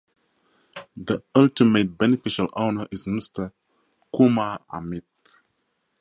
The ultimate beneficial owner is Mr Kumar Amit.